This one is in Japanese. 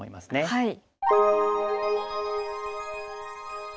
はい。